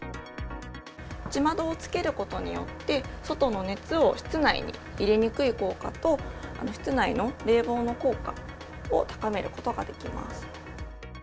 内窓をつけることによって、外の熱を室内に入れにくい効果と、室内の冷房の効果を高めることができます。